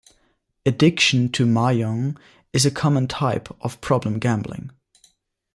Addiction to Mahjong is a common type of problem gambling.